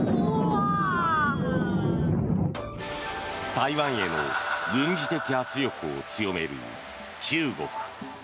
台湾への軍事的圧力を強める中国。